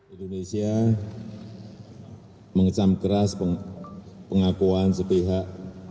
indonesia mengecam keras pengakuan sepihak